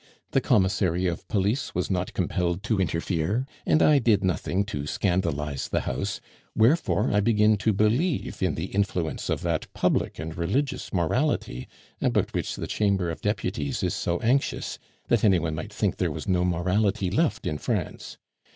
The commissary of police was not compelled to interfere, and I did nothing to scandalize the house, wherefore I begin to believe in the influence of that "public and religious morality," about which the Chamber of Deputies is so anxious, that any one might think there was no morality left in France.